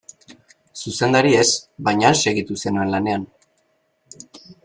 Zuzendari ez, baina han segitu zenuen lanean.